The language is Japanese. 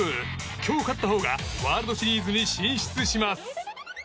今日勝ったほうがワールドシリーズに進出します。